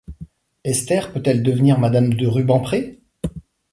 Esther peut-elle devenir madame de Rubempré?